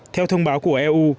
theo thông báo của eu